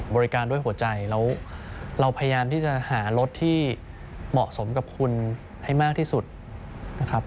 บริการด้วยหัวใจแล้วเราพยายามที่จะหารถที่เหมาะสมกับคุณให้มากที่สุดนะครับ